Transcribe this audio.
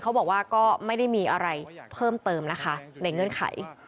เขาบอกว่าก็ไม่ได้มีอะไรเพิ่มเติมนะคะในเงื่อนไข